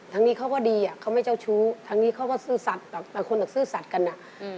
ทางนี้เขาก็ดีอ่ะเขาไม่เจ้าชู้ทางนี้เขาก็ซื่อสัตว์แบบหลายคนแบบซื่อสัตว์กันอ่ะอืม